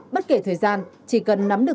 bất kể thời gian chỉ cần nắm được